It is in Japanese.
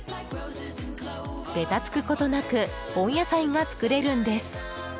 べたつくことなく温野菜が作れるんです。